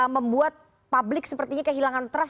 membuat publik sepertinya kehilangan trust